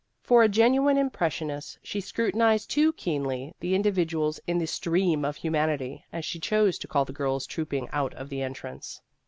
For a genuine impressionist, she scruti nized too keenly the individuals in the " stream of humanity," as she chose to call the girls trooping out of the entrance.